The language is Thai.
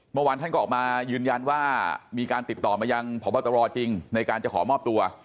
เมื่อวานท่านก็ออกมายืนยันว่ามีการติดต่อมายังพบตรจริงในการจะขอมอบตัว